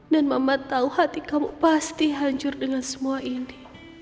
dan mama tau hati kamu pasti hancur dengan semua ini